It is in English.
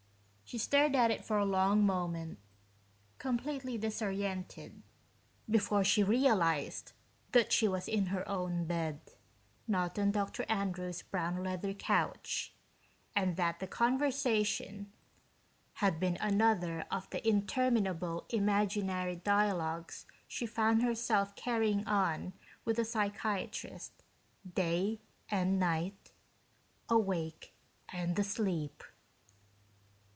She stared at it for a long moment, completely disoriented, before she realized that she was in her own bed, not on Dr. Andrews' brown leather couch, and that the conversation had been another of the interminable imaginary dialogues she found herself carrying on with the psychiatrist, day and night, awake and asleep.